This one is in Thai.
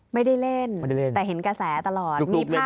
ไม่ได้เล่นแต่เห็นกระแสตลอด